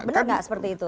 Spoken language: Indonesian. benar tidak seperti itu